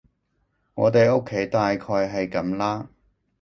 我哋屋企大概係噉啦